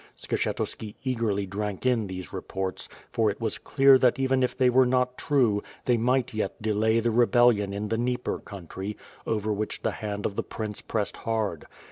Skshetuski eagerly drank in these reports, for it was clear that even if they were not true, they might yet delay the rebellion in the Dnieper country, over which the hand of the prince pressed hard.